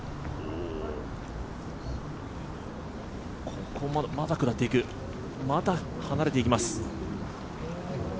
ここはまだ下っていく、まだ離れていきます。